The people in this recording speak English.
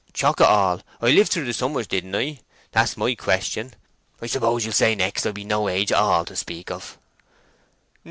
"Chok' it all! I lived through the summers, didn't I? That's my question. I suppose ye'll say next I be no age at all to speak of?"